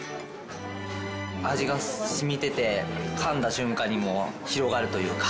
味が染みてて噛んだ瞬間にもう広がるというか。